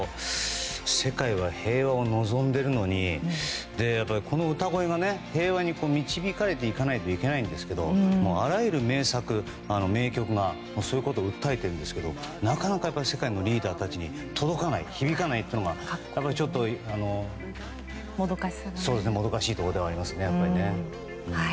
世界は平和を望んでいるのにこの歌声が平和に導かれていかないといけないんですけどあらゆる名作、名曲がそういうことを訴えているんですがなかなか世界のリーダーたちに響かないというのがちょっともどかしいところではありますね。